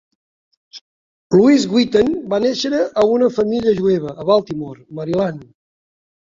Louis Witten va néixer a una família jueva a Baltimore, Maryland.